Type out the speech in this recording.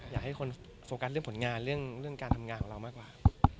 อยากให้คนโฟกัสเรื่องผลงานเรื่องการทำงานของเรามากกว่า